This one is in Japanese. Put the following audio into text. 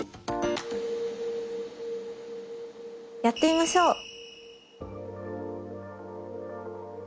やってみましょう。